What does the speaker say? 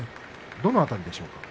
どの辺りでしょうか。